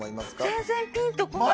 全然ピンとこない。